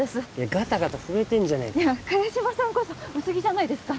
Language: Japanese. ガタガタ震えてんじゃねえか萱島さんこそ薄着じゃないですか